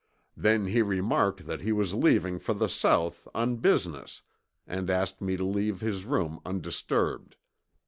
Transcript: Then he remarked that he was leaving for the South on business and asked me to leave his rooms undisturbed.